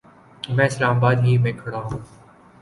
میں اسلام آباد ہی میں کھڑا ہوں